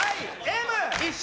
Ｍ。